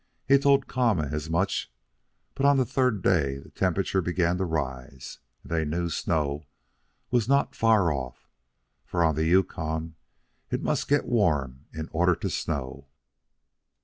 He told Kama as much, but on the third day the temperature began to rise, and they knew snow was not far off; for on the Yukon it must get warm in order to snow.